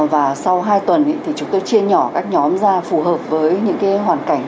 và sau hai tuần thì chúng tôi chia nhỏ các nhóm ra phù hợp với những hoàn cảnh